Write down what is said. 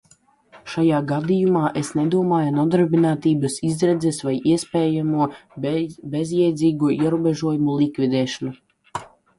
Šajā gadījumā es nedomāju nodarbinātības izredzes vai iespējamu bezjēdzīgo ierobežojumu likvidēšanu.